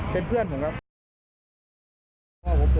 เป็นเพื่อนผมครับ